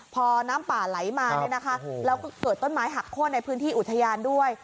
พอน้ำป่าไหลมาเนี่ยนะคะแล้วก็เกิดต้นไม้หักโค้นในพื้นที่อุทยานด้วย